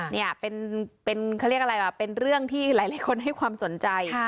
นี่เป็นเขาเรียกอะไรอ่ะเป็นเรื่องที่หลายคนให้ความสนใจ